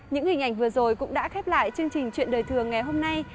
những hình ảnh vừa rồi cũng đã khép lại chương trình chuyện đời thường ngày hôm nay